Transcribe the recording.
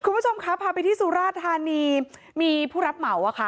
คุณผู้ชมครับพาไปที่สุราธานีมีผู้รับเหมาอะค่ะ